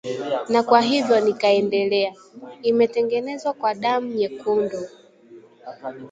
na kwa hivyo nikaendelea: “Imetengenezwa kwa damu nyekundu